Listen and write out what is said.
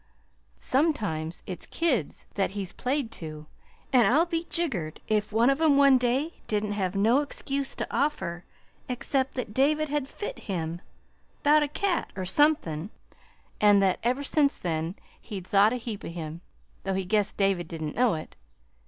Sometimes it's kids that he's played to, an' I'll be triggered if one of 'em one day didn't have no excuse to offer except that David had fit him 'bout a cat, or somethin' an' that ever since then he'd thought a heap of him though he guessed David didn't know it.